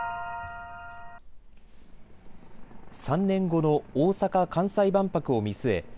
３年後の大阪・関西万博を見据え